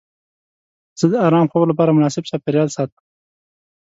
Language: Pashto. زه د ارام خوب لپاره مناسب چاپیریال ساتم.